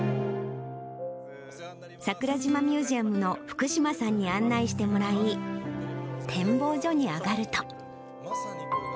桜島ミュージアムの福島さんに案内してもらい、展望所に上がると。